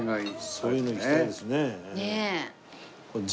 そういうのいきたいですね。